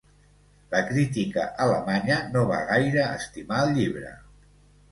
La crítica alemanya no va gaire estimar el llibre.